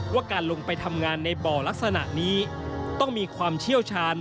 ว่าการลงไปทำงานในบ่อลักษณะนี้ต้องมีความเชี่ยวชาญ